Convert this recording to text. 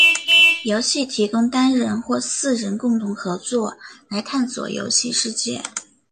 游戏提供单人或四人共同合作来探索游戏世界。